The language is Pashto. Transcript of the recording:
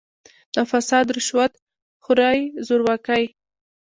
د «فساد، رشوت خورۍ، زورواکۍ